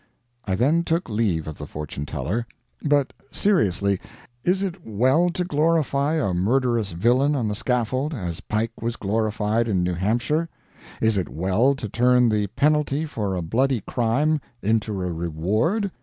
I then took leave of the fortune teller. But, seriously, is it well to glorify a murderous villain on the scaffold, as Pike was glorified in New Hampshire? Is it well to turn the penalty for a bloody crime into a reward?